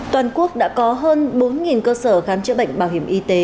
toàn quốc đã có hơn bốn cơ sở khám chữa bệnh bảo hiểm y tế